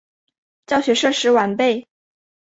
教学设施完善。